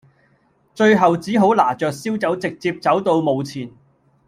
最後只好拿著燒酒直接走到墓前